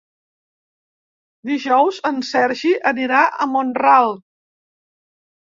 Dijous en Sergi anirà a Mont-ral.